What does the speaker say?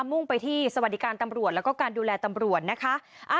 มุ่งไปที่สวัสดิการตำรวจแล้วก็การดูแลตำรวจนะคะ